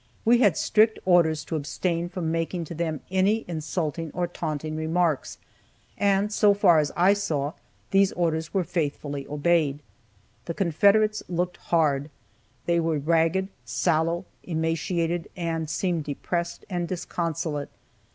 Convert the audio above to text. We had strict orders to abstain from making to them any insulting or taunting remarks, and so far as I saw, these orders were faithfully obeyed. The Confederates looked hard. They were ragged, sallow, emaciated, and seemed depressed and disconsolate.